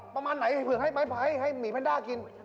ประมาณไหนไหมให้ใบไผ่ให้มีพันดากิน